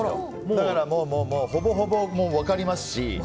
だから、ほぼほぼ分かりますし。